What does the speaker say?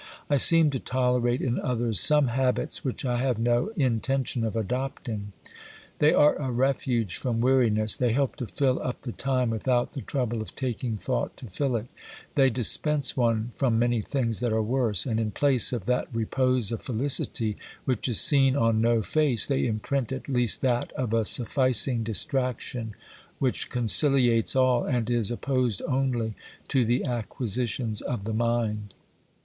I seem to tolerate in others some habits which I have no intention of adopting. They are a 20 OBERMANN refuge from weariness ; they help to fill up the time with out the trouble of taking thought to fill it ; they dispense one from many things that are worse, and in place of that repose of felicity which is seen on no face, they imprint at least that of a sufficing distraction which conciliates all, and is opposed only to the acquisitions of the mind.